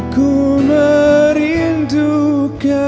ku akan pindah dimana kau